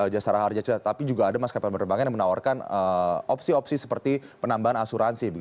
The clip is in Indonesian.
jasara harja tapi juga ada maskapai penerbangan yang menawarkan opsi opsi seperti penambahan asuransi